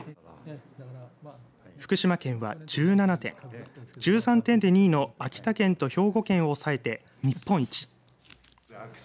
福島県は１７点１３点で２位の秋田県と兵庫県を抑えて日本一。